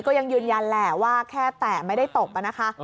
ก็ยังยืนยันแหละว่าแค่แตะไม่ได้ตบนะคะ